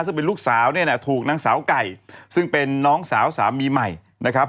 ซึ่งเป็นลูกสาวเนี่ยนะถูกนางสาวไก่ซึ่งเป็นน้องสาวสามีใหม่นะครับ